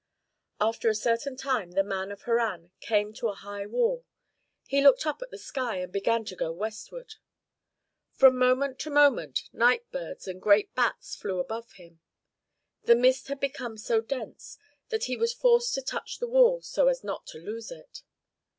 After a certain time the man of Harran came to a high wall. He looked up at the sky and began to go westward. From moment to moment night birds and great bats flew above him. The mist had become so dense that he was forced to touch the wall so as not to lose it.